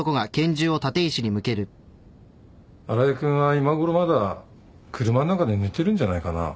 新井君は今頃まだ車の中で寝てるんじゃないかな。